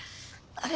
あれ？